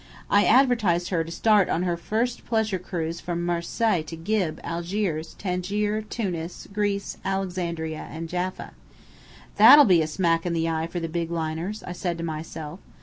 I advertised her to start on her first pleasure cruise from Marseilles to Gib, Algiers, Tangier, Tunis, Greece, Alexandria, and Jaffa. 'That'll be a smack in the eye for the big liners,' I said to myself.